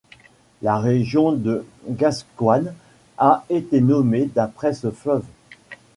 La région de Gascoyne a été nommée d'après ce fleuve.